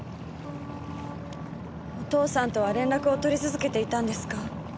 お父さんとは連絡を取り続けていたんですか？